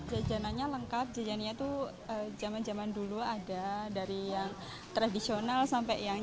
jajananya lengkap jajananya tuh zaman zaman dulu ada dari yang tradisional sampai sekarang